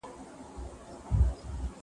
زما د فكر د ائينې شاعره !